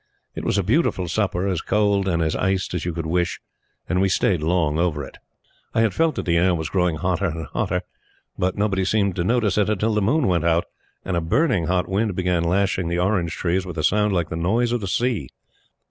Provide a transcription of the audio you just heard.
It was a beautiful supper, as cold and as iced as you could wish; and we stayed long over it. I had felt that the air was growing hotter and hotter; but nobody seemed to notice it until the moon went out and a burning hot wind began lashing the orange trees with a sound like the noise of the sea.